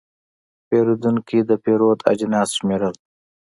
پیرودونکی د پیرود اجناس شمېرل.